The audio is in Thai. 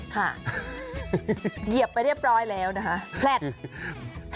เหยียบไปเรียบร้อยแล้วนะคะแพลต